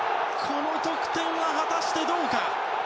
この得点は果たして、どうか？